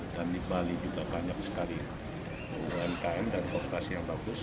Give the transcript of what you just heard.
dan di bali juga banyak sekali umkm dan kooperasi yang bagus